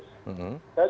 tahu kalau persis